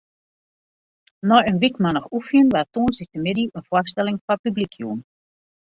Nei in wykmannich oefenjen waard tongersdeitemiddei in foarstelling foar publyk jûn.